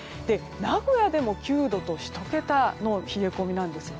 名古屋でも９度と１桁の冷え込みなんです。